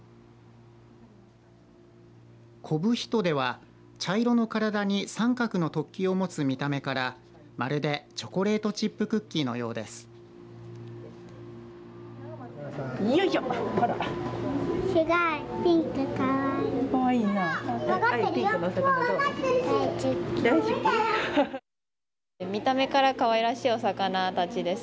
コブヒトデは茶色の体に三角の突起を持つ見た目からまるでチョコレートチップクッキーのようです。